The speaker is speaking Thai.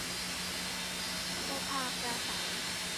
โอภาปราศรัย